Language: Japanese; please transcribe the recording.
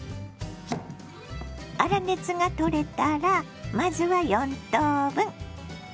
粗熱がとれたらまずは４等分。